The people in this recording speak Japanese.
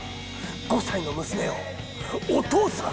５歳の娘をお父さん！